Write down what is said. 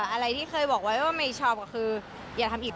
อะไรที่เคยบอกไว้ว่าไม่ชอบก็คืออย่าทำอีก